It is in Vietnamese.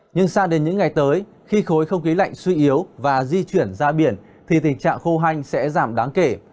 nhưng sang đến những ngày tới khi khối không khí lạnh suy yếu và di chuyển ra biển thì tình trạng khô hanh sẽ giảm đáng kể